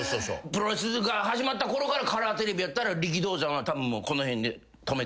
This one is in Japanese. プロレスが始まった頃からカラーテレビやったら力道山はたぶんもうこの辺で。